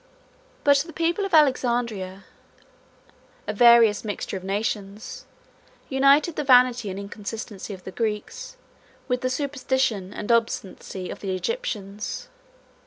172 But the people of Alexandria, a various mixture of nations, united the vanity and inconstancy of the Greeks with the superstition and obstinacy of the Egyptians.